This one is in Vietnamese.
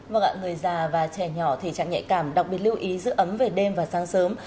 vâng ạ người già và trẻ nhỏ thể trạng nhạy cảm đặc biệt lưu ý giữ ấm về đêm và sáng sớm